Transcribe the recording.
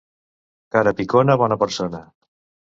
Cara picona, bona persona.